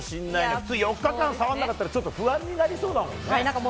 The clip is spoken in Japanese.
普通４日間触らなかったら不安になりそうだもんね。